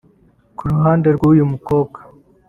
Ku ruhande rw’uyu mukobwa